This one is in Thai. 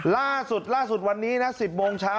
ล่าสุดล่าสุดวันนี้นะ๑๐โมงเช้า